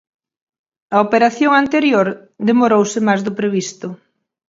A operación anterior demorouse máis do previsto.